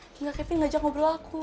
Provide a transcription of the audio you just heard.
hingga kevin ngajak ngobrol aku